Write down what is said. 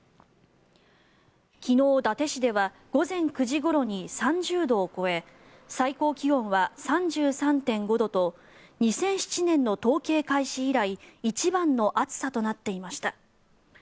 昨日、伊達市では午前９時ごろに３０度を超え最高気温は３３．５度と２００７年の統計開始以来一番の暑さとなっていました。